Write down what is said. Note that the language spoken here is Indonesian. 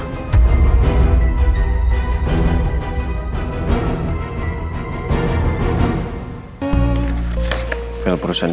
gue harus benar benar awas nino